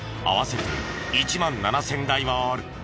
合わせて１万７０００台はある。